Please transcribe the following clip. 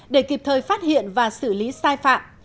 để kịp thời phát hiện và xử lý sai phạm